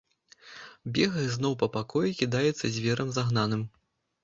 Бегае зноў па пакоі, кідаецца зверам загнаным.